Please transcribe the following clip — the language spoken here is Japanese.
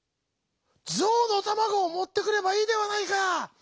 「ぞうのたまごをもってくればいいではないか。